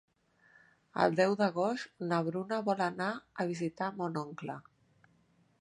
El deu d'agost na Bruna vol anar a visitar mon oncle.